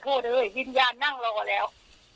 ขอโทษเลยฮิตยานนั่งเรากว่าแล้ว